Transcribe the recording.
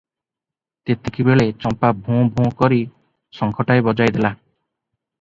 ତେତିକିବେଳେ ଚମ୍ପା ଭୋଁ, ଭୋଁ କରି ଶଙ୍ଖଟାଏ ବଜାଇ ଦେଲା ।